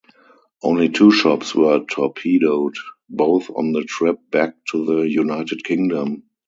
Only two ships were torpedoed, both on the trip back to the United Kingdom.